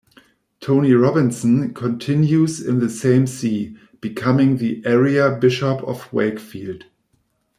Tony Robinson continues in the same See, becoming the area Bishop of Wakefield.